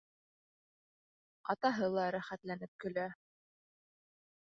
Атаһы ла рәхәтләнеп көлә.